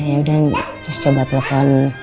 ya udah terus coba telepon